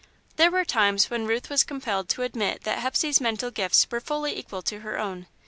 There were times when Ruth was compelled to admit that Hepsey's mental gifts were fully equal to her own.